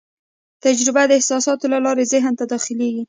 تجربه د احساساتو له لارې ذهن ته داخلېږي.